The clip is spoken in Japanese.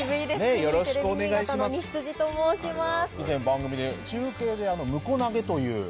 テレビ新潟の西辻と申します。